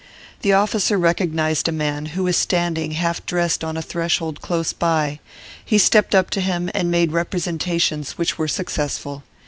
The officer recognised a man who was standing half dressed on a threshold close by; he stepped up to him and made representations which were successful.